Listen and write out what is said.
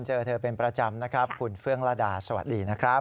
เจอเธอเป็นประจำนะครับคุณเฟื่องระดาสวัสดีนะครับ